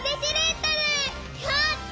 やった！